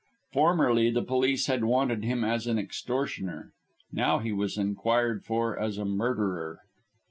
Formerly the police had wanted him as an extortioner; now he was inquired for as a murderer.